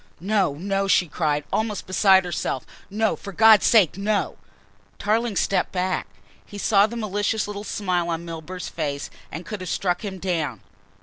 "No, no!" she cried, almost beside herself, "no, for God's sake, no!" Tarling stepped back. He saw the malicious little smile on Milburgh's face and could have struck him down.